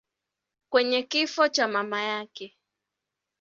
kwenye kifo cha mama yake.